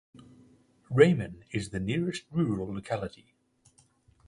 Ramen is the nearest rural locality.